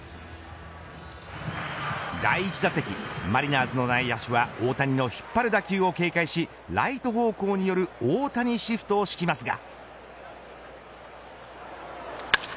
第１打席、マリナーズの内野手は大谷の引っ張る打球を警戒しライト方向による大谷シフトを敷きますが。